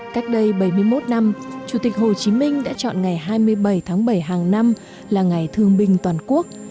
cách đây bảy mươi một năm chủ tịch hồ chí minh đã chọn ngày hai mươi bảy tháng bảy hàng năm là ngày thương binh toàn quốc